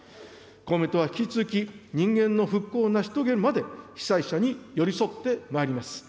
公明党は引き続き、人間の復興を成し遂げるまで被災者に寄り添ってまいります。